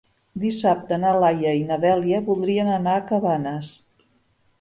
Dissabte na Laia i na Dèlia voldrien anar a Cabanes.